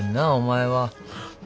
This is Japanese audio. あお前は。